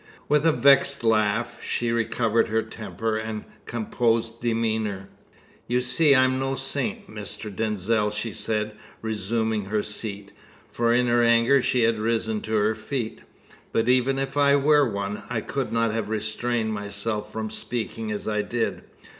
With a vexed laugh, she recovered her temper and composed demeanour. "You see I am no saint, Mr. Denzil," she said, resuming her seat, for in her anger she had risen to her feet. "But even if I were one, I could not have restrained myself from speaking as I did.